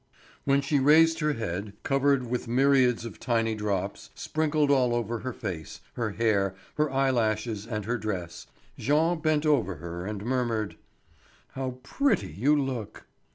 When she raised her head, covered with myriads of tiny drops, sprinkled all over her face, her hair, her eye lashes, and her dress, Jean bent over her and murmured: "How pretty you look!"